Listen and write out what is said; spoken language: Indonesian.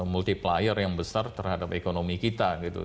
jadi kita harus melayar yang besar terhadap ekonomi kita